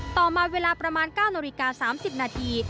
ต่อมาเวลาประมาณ๙นาฬิกา๓๐นาที